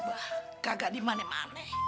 gak ada dimane mane